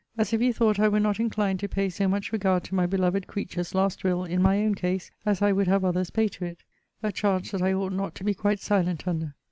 As if you thought I were not inclined to pay so much regard to my beloved creature's last will, in my own case, as I would have others pay to it. A charge that I ought not to be quite silent under.